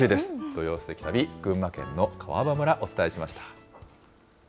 土曜すてき旅、群馬県の川場村、お伝えしました。